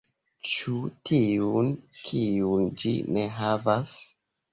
Ĉu tiun, kiun ĝi ne havas?